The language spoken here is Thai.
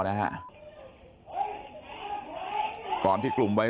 ก่อนที่กลุ่มวัยรุ่นชู้เกียรถคนสูงเกี่ยวในวิทยาลัย